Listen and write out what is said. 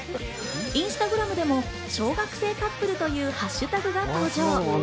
インスタグラムでも「小学生カップル」というハッシュタグが登場。